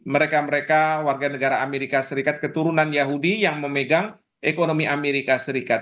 mereka mereka warga negara amerika serikat keturunan yahudi yang memegang ekonomi amerika serikat